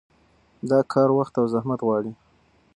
دا کار وخت او زحمت غواړي.